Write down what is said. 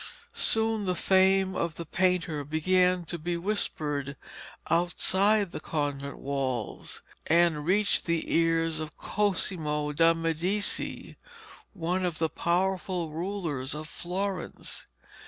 Soon the fame of the painter began to be whispered outside the convent walls, and reached the ears of Cosimo da Medici, one of the powerful rulers of Florence.